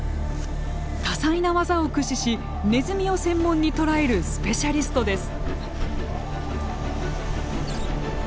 多彩な技を駆使しネズミを専門に捕らえるスペシャリストです。